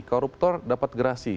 koruptor dapat gerasi